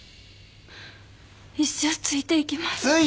一生ついていきます。